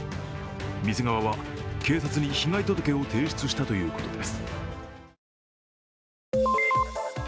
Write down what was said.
店側は警察に被害届を提出したということです。